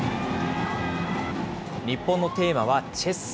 日本のテーマはチェス。